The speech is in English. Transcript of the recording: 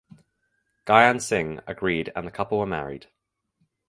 Gyan Singh agreed and the couple were married.